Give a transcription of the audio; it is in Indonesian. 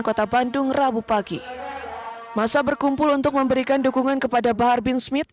kota bandung rabu pagi masa berkumpul untuk memberikan dukungan kepada bahar bin smith